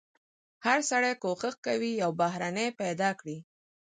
هر سړی کوښښ کوي یو بهرنی پیدا کړي.